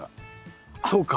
そうか。